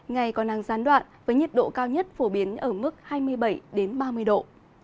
ngày có năng gián đoạn với nhiệt độ cao nhất phổ biến ở mức hai mươi bảy ba mươi độ